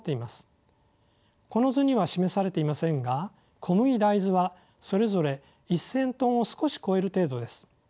この図には示されていませんが小麦大豆はそれぞれ１，０００トンを少し超える程度です。